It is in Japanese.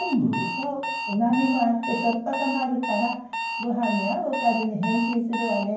そううまみもあってしょっぱさもあるからご飯に合うおかずに変身するわね。